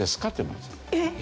えっ？